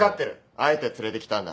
あえて連れてきたんだ。